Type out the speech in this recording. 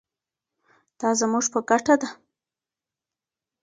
دا زموږ په ګټه ده.